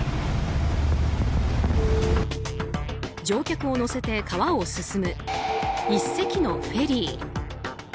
乗客を乗せて川を進む１隻のフェリー。